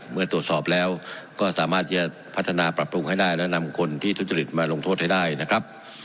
เมื่อตรวจสอบแล้วก็สามารถจะพัฒนาปรับปรุงให้ได้และนำคนที่ทุจริตมาลงโทษให้ได้นะครับ